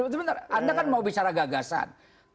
sebentar anda kan mau bicara gagasan